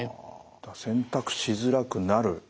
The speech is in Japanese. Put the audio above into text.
選択しづらくなる。